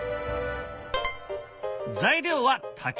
材料は竹。